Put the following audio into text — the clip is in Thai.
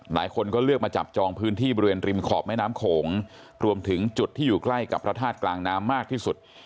หลายคนก็เลือกมาจับจองพื้นที่บริเวณริมขอบแม่น้ำโขงรวมถึงจุดที่อยู่ใกล้กับพระธาตุกลางน้ำมากที่สุด